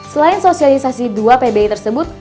selain sosialisasi dua pbi tersebut